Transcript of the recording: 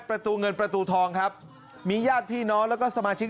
ประตูเงินประตูทองครับมีญาติพี่น้องแล้วก็สมาชิก